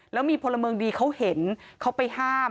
แล้วมีพลเมืองดีเขาเห็นเขาไปห้าม